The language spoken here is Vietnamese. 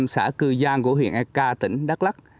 xã cư giang của huyện aek tỉnh đắk lắc